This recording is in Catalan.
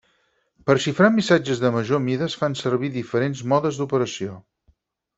Per xifrar missatges de major mida es fan servir diferents modes d'operació.